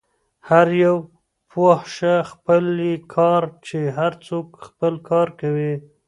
هر یو پوه شه، خپل يې کار، چې هر څوک خپل کار کوي.